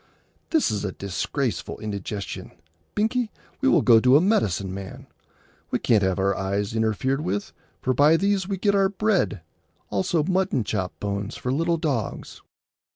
"This is disgraceful indigestion. Binkie, we will go to a medicine man. We can't have our eyes interfered with, for by these we get our bread; also mutton chop bones for little dogs."